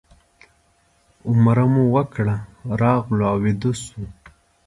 عمره مو وکړه راغلو او ویده شوو.